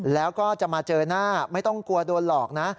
แล้วก็จะมาเจอหน้าไม่ต้องกลัวโดนหลอกนะ